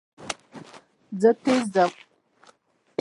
زه تېز ځم.